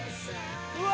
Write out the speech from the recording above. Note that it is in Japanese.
うわ！